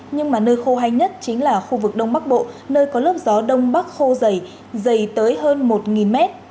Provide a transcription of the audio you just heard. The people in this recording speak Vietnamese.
nhưng mà nơi khô hay nhất chính là khu vực đông bắc bộ nơi có lớp gió đông bắc khô dày dày tới hơn một m